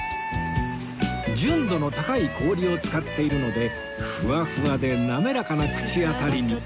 純度の高い氷を使っているのでフワフワで滑らかな口当たりに